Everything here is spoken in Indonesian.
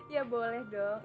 ya boleh dong